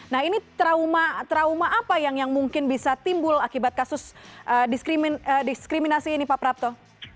nah ini trauma apa yang mungkin bisa timbul akibat kasus diskriminasi ini pak prapto